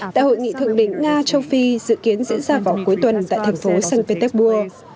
tại hội nghị thượng đỉnh nga châu phi dự kiến diễn ra vào cuối tuần tại thành phố st petersburg